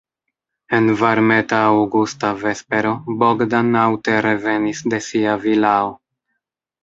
En varmeta aŭgusta vespero Bogdan aŭte revenis de sia vilao.